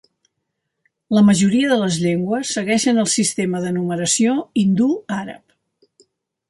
La majoria de les llengües segueixen el sistema de numeració hindú-àrab.